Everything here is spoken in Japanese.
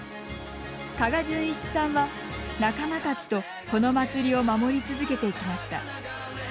加賀淳一さんは仲間たちとこの祭りを守り続けてきました。